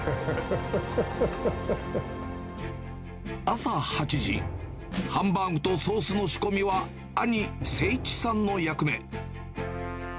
朝８時、ハンバーグとソースの仕込みは、兄、誠一さんの役目。